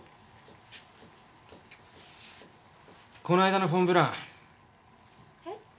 この間のフォン・ブラン。